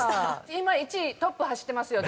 今１位トップ走ってますよ